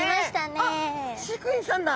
あっ飼育員さんだ。